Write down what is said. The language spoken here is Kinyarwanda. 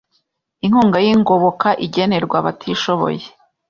inkunga y’ingoboka igenerwa abatishoboye